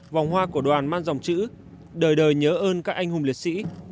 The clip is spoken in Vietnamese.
vòng hoa của đoàn mang dòng chữ đời đời nhớ ơn các anh hùng liệt sĩ